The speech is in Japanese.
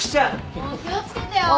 もう気を付けてよ！